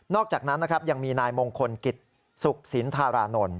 อกจากนั้นนะครับยังมีนายมงคลกิจสุขสินธารานนท์